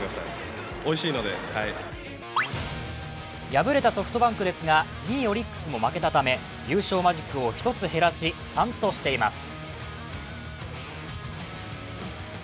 敗れたソフトバンクですが、２位・オリックスも負けたため優勝マジックを１つ減らし３としています。